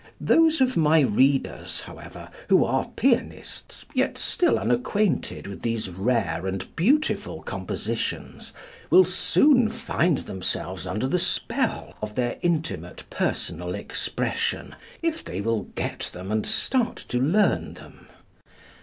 Those of my readers, however, who are pianists yet still unacquainted with these rare and beautiful compositions, will soon find themselves under the spell of their intimate personal expression if they will get them and start to learn them.